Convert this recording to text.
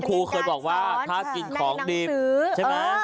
คุณครูเคยบอกว่าผ้าจริงของดินเนี่ย